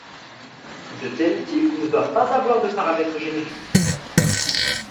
De tels types ne doivent pas avoir de paramètres génériques.